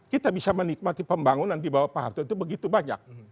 kita bisa menikmati pembangunan di bawah pak harto itu begitu banyak